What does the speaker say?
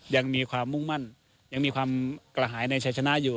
ยังมีความมุ่งมั่นยังมีความกระหายในชัยชนะอยู่